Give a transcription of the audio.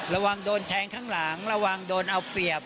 ระวังโดนแทงข้างหลังระวังโดนเอาเปรียบ